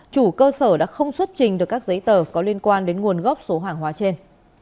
chủ cơ sở đã không xuất trình được các giấy tờ có liên quan đến nguồn gốc số hàng hóa trên